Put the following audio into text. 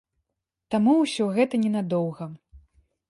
Таму ўсё гэта не надоўга.